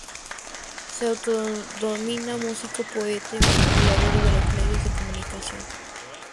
Se autodenomina "músico, poeta, y manipulador de los medios de comunicación".